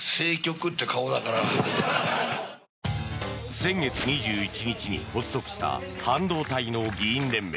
先月２１日に発足した半導体の議員連盟。